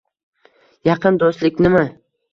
- Yaqin do'stliknimi?